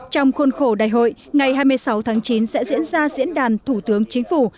trong khuôn khổ đại hội ngày hai mươi sáu tháng chín sẽ diễn ra diễn đàn thủ tướng chính phủ